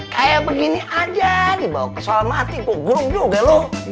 kayak begini aja dibawa ke soal mati gua gurung juga lu